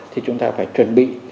thì chúng ta phải chuẩn bị